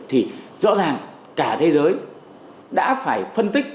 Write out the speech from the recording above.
thì rõ ràng cả thế giới đã phải phân tích